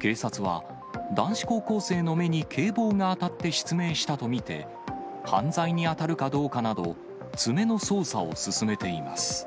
警察は、男子高校生の目に警棒が当たって失明したと見て、犯罪に当たるかどうかなど、詰めの捜査を進めています。